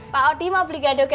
pak odi mau beli gado gado